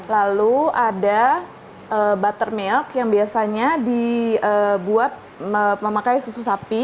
lalu ada buttermilk yang biasanya dibuat memakai susu sapi